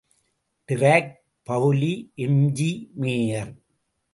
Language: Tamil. டிராக், பவுலி, எம்.ஜி.மேயர்.